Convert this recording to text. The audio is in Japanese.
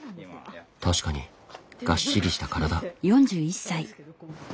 確かにがっしりした体。